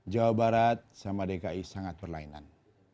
jawa barat sama dki sangat berlainan